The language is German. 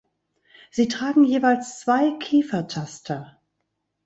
Sie tragen jeweils zwei Kiefertaster.